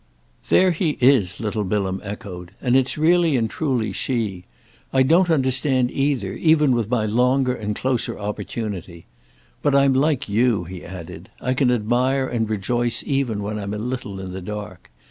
"There he is!" little Bilham echoed. "And it's really and truly she. I don't understand either, even with my longer and closer opportunity. But I'm like you," he added; "I can admire and rejoice even when I'm a little in the dark.